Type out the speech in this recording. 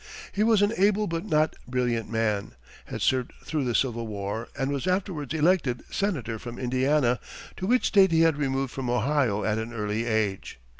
He was an able but not brilliant man, had served through the Civil War, and was afterwards elected senator from Indiana, to which state he had removed from Ohio at an early age.